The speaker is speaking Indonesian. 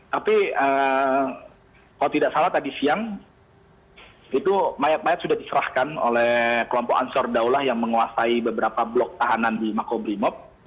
tapi kalau tidak salah tadi siang itu mayat mayat sudah diserahkan oleh kelompok ansor daulah yang menguasai beberapa blok tahanan di makobrimob